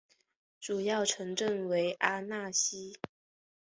主要城镇为阿讷西。